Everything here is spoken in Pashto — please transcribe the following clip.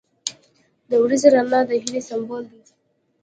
• د ورځې رڼا د هیلې سمبول دی.